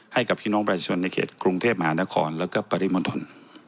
ให้กับพี่น้องประชาชนในเขตกรุงเทพมหานครแล้วก็ปริมณฑล